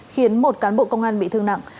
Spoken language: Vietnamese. khiến một cán bộ công an bị thương nặng